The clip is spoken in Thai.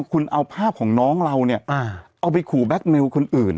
คุณเอาภาพของน้องเราเอาไปขูแบคเนลคนอื่น